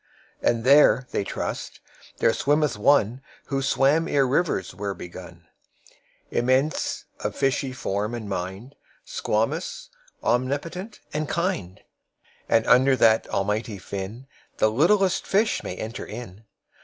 19And there (they trust) there swimmeth One20Who swam ere rivers were begun,21Immense, of fishy form and mind,22Squamous, omnipotent, and kind;23And under that Almighty Fin,24The littlest fish may enter in.